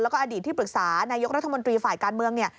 แล้วก็อดีตที่ปรึกษานายกรัฐมนตรีฝ่ายการเมืองเนี่ย